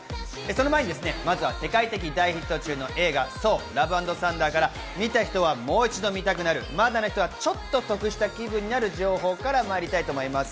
その前にまずは世界的大ヒット中の映画『ソー：ラブ＆サンダー』から、見た人はもう一度見たくなる、まだの人はちょっと得した気分になる情報からまいります。